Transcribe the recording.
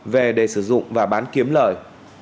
về để sử dụng và bán kiếm lợi